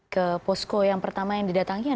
ke posko yang pertama yang didatangkan